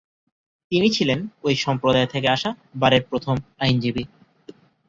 তিনি ছিলেন ঐ সম্প্রদায় থেকে আসা বারের প্রথম আইনজীবী।